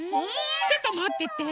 ちょっともってて。